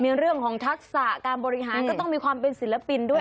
มีเรื่องของทักษะการบริหารก็ต้องมีความเป็นศิลปินด้วย